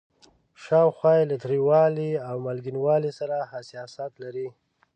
شاوخوا یې له تریوالي او مالګینوالي سره حساسیت لري.